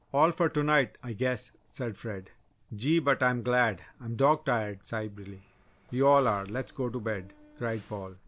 "All for to night, I guess," said Fred. "Gee! but I'm glad! I'm dog tired!" sighed Billy. "We all are let's get to bed!" cried Paul.